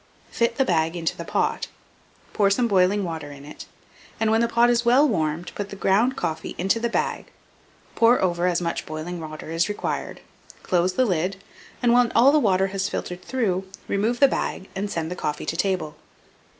Fit the bag into the pot, pour some boiling water in it, and, when the pot is well warmed, put the ground coffee into the bag; pour over as much boiling water as is required, close the lid, and, when all the water has filtered through, remove the bag, and send the coffee to table.